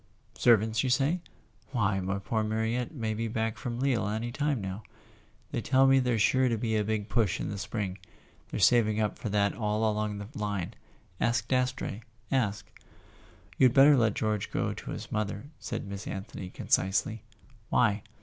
"Servants, you say? Why, my poor Mariette may be back from Lille any time now. They tell me there's sure to be a big push in the spring. They're saving up for that all along the line. Ask Dastrey ... ask. ." "You'd better let George go to his mother," said Miss Anthony concisely. "Why?"